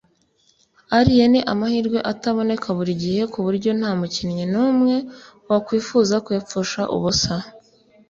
Ariya ni amahirwe ataboneka buri gihe ku buryo nta mukinnyi n’umwe wakwifuza kuyapfusha ubusa”